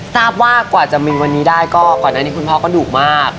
ทราบว่ากว่าจะมีวันนี้ได้ก็ก่อนอันนี้คุณพ่อก็ดุมาก